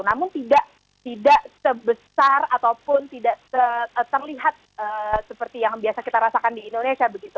namun tidak sebesar ataupun tidak terlihat seperti yang biasa kita rasakan di indonesia begitu